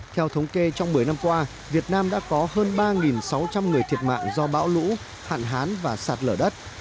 theo thống kê trong một mươi năm qua việt nam đã có hơn ba sáu trăm linh người thiệt mạng do bão lũ hạn hán và sạt lở đất